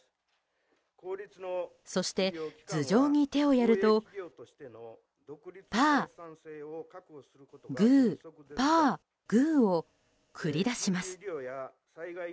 そして、頭上に手をやるとパー、グー、パー、グーを繰り出します。